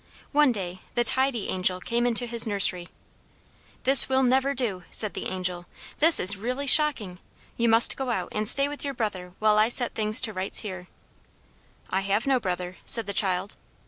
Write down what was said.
One day the Tidy Angel came into his nursery. "This will never do!" said the Angel. "This is really shocking. You must go out and stay with your brother while I set things to rights here." "I have no brother!" said the child.